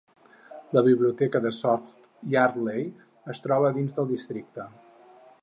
La biblioteca de South Yardley es troba dins del districte.